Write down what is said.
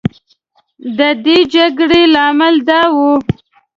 د دې جګړې لامل دا و.